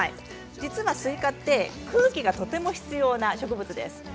スイカは空気がとても必要な植物です。